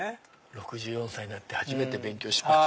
６４歳になって初めて勉強しました。